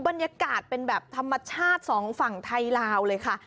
บรรยากาศเป็นแบบธรรมชาติสองฝั่งไทยลาวเลยค่ะ